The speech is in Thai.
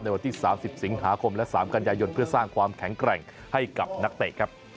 วันที่๓๐สิงหาคมและ๓กันยายนเพื่อสร้างความแข็งแกร่งให้กับนักเตะครับ